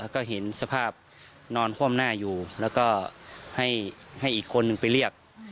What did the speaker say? ก็เห็นสภาพนอนคว่ำหน้าอยู่แล้วก็ให้อีกคนนึงไปเรียก